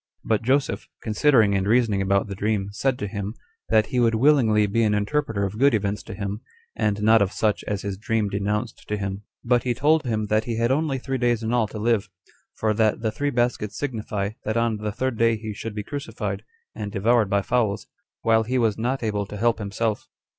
But Joseph, considering and reasoning about the dream, said to him, that he would willingly be an interpreter of good events to him, and not of such as his dream denounced to him; but he told him that he had only three days in all to live, for that the [three] baskets signify, that on the third day he should be crucified, and devoured by fowls, while he was not able to help himself.